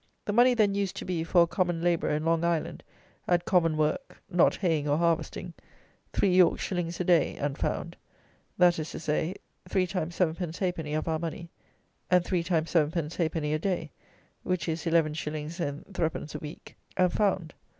The money then used to be, for a common labourer, in Long Island, at common work (not haying or harvesting), three York shillings a day, and found; that is to say, three times seven pence halfpenny of our money; and three times seven pence halfpenny a day, which is eleven shillings and three pence a week, and found.